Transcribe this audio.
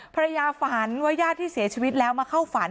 ฝันว่าญาติที่เสียชีวิตแล้วมาเข้าฝัน